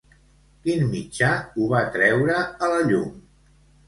Quin mitjà ho va treure a la llum?